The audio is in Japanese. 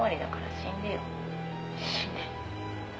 死ね」